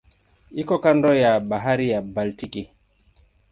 Iko kando ya Bahari ya Baltiki.